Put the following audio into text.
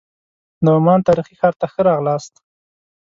د عمان تاریخي ښار ته ښه راغلاست.